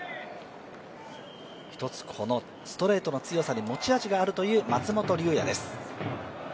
ストレートの強さに持ち味があるという松本竜也です。